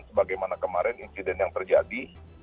sebagaimana kemarin insiden yang terjadi